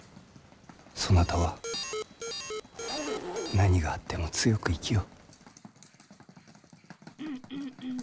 そなたは何があっても強く生きよ。